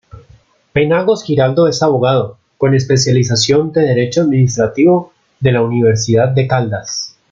Penagos Giraldo es abogado, con especialización en Derecho Administrativo de la Universidad de Caldas.